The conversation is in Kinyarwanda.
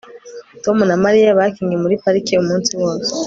Tom na Mariya bakinnye muri parike umunsi wose